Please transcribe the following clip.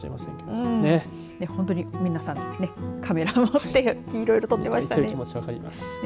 ね、本当に皆さんカメラを持っていろいろ撮ってましたね。